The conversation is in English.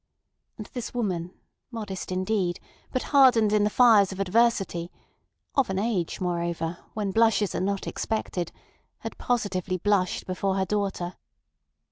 And this woman, modest indeed but hardened in the fires of adversity, of an age, moreover, when blushes are not expected, had positively blushed before her daughter.